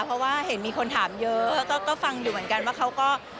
เพราะว่าเห็นมีคนถามเยอะก็ฟังอยู่เหมือนกันว่าเขาก็